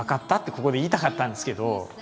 ここで言いたかったんですけど。